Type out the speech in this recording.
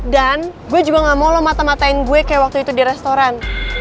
dan gua juga gak mau lu mata matain gue kayak waktu itu di restoran